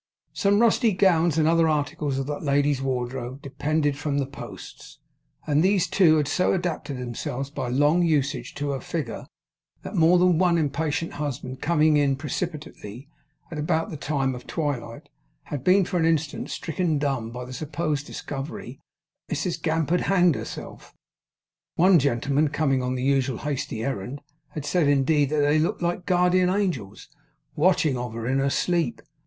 Some rusty gowns and other articles of that lady's wardrobe depended from the posts; and these had so adapted themselves by long usage to her figure, that more than one impatient husband coming in precipitately, at about the time of twilight, had been for an instant stricken dumb by the supposed discovery that Mrs Gamp had hanged herself. One gentleman, coming on the usual hasty errand, had said indeed, that they looked like guardian angels 'watching of her in her sleep.